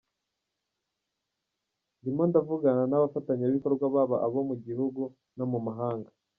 Ndimo ndavugana n’abafatanyabikorwa baba abo mu gihugu no mu mahanga.